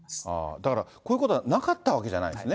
だから、こういうことがなかったわけじゃないんですね。